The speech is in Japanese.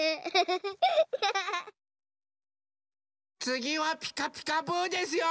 つぎは「ピカピカブ！」ですよ。